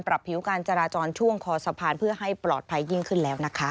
ผิวการจราจรช่วงคอสะพานเพื่อให้ปลอดภัยยิ่งขึ้นแล้วนะคะ